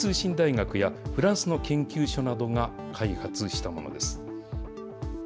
電気通信大学やプラスの研究者などが開発したものです。